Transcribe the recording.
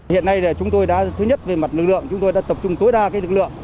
hiện nay là chúng tôi đã thứ nhất về mặt lực lượng chúng tôi đã tập trung tối đa lực lượng